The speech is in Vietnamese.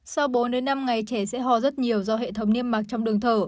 sau bốn năm ngày trẻ sẽ ho rất nhiều do hệ thống niêm mạc trong đường thở